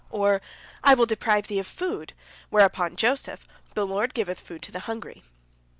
Or, "I will deprive thee of food;" whereupon Joseph, "The Lord giveth food to the hungry."